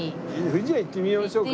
不二家行ってみましょうか。